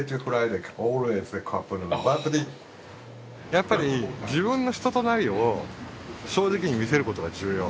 やっぱり自分の人となりを正直に見せることが重要。